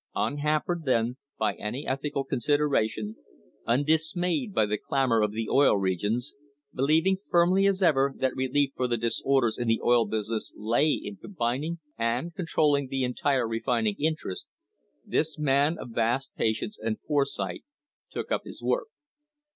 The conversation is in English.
Unhampered, then, by any ethical consideration, undis [ 102] THE OIL WAR OF 1872 mayed by the clamour of the Oil Regions, believing firmly as ever that relief for the disorders in the oil business lay in combining and controlling the entire refining interest, this man of vast patience and foresight took up his work.